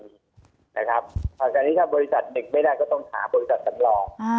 ตอนนี้ครับบริษัทหนึ่งไม่ได้ก็ต้องถามบริษัทสำรอง